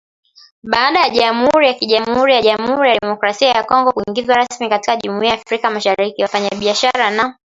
Baada ya Jamhuri ya KiJamuhuri ya Jamuhuri ya Demokrasia ya Kongo kuingizwa rasmi katika Jumuiya ya Afrika Mashariki wafanyabiashara na